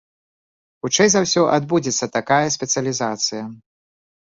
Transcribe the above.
Хутчэй за ўсё, адбудзецца такая спецыялізацыя.